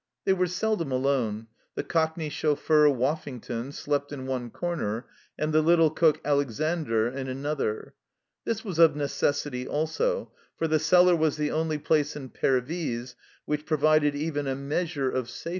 They were seldom alone ; the Cockney chauffeur, Woffington, slept in one corner, and the little cook, Alexandre, in another. This was of necessity also, for the cellar was the only place in Pervyse which provided even a measure of safety THE BIAIX STREET OF PERVYSE.